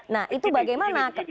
nah itu bagaimana